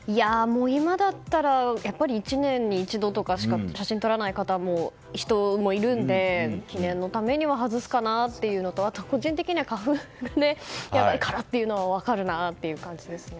今だったら、やっぱり１年に一度とかしか写真撮らない人もいるので記念のためには外すかなというのと個人的には花粉があるからというのは分かるなという感じですね。